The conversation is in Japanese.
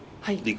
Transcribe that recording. はい。